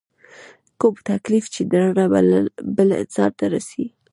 کوم تکليف چې درنه بل انسان ته رسي